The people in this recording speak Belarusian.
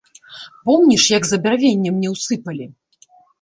Помніш, як за бярвенне мне ўсыпалі?